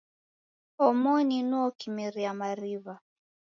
Omoni nuo kimeria mariw'a.